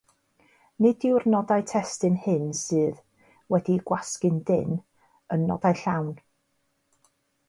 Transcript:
Nid yw'r nodau testun hyn sydd “wedi'u gwasgu'n dynn” yn nodau llawn.